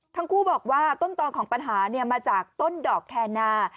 ทั้งคู่บอกว่าต้นตอนของปัญหามาจากต้นดอกแคนา